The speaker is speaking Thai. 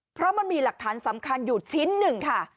เพราะมันมีหลักฐานสำคัญอยู่ชิ้นหนึ่งค่ะ